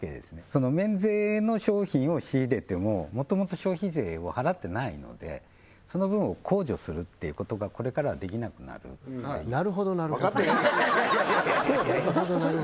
その免税の商品を仕入れてももともと消費税を払ってないのでその分を控除するっていうことがこれからはできなくなるなるほどなるほど分かってねえだろ